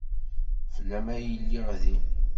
Fell-am ay lliɣ din.